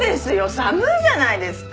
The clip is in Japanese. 寒いじゃないですか。